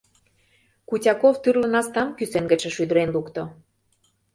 Кутяков тӱрлӧ настам кӱсен гычше шӱдырен лукто.